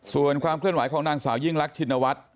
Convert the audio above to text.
ส่วนความเคลื่อนไหวของนางสาวยิ่งรักชินวัฒน์